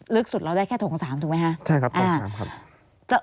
ลึกสุดเราเดี่ยวได้แค่ตรงสามถูกไหมฮะ